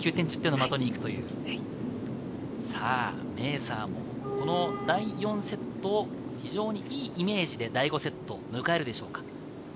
メーサーも第４セット、いいイメージで第５セットを迎えるでしょうか。